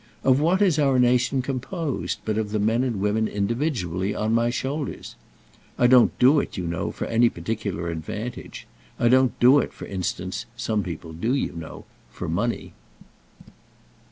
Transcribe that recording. Of what is our nation composed but of the men and women individually on my shoulders? I don't do it, you know, for any particular advantage. I don't do it, for instance—some people do, you know—for money."